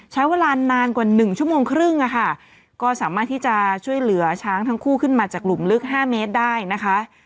ใช้เวลานานกว่าหนึ่งชั่วโมงครึ่งอะค่ะก็สามารถที่จะช่วยเหลือช้างทั้งคู่ขึ้นมาจากหลุมลึก๕เมตรได้นะคะ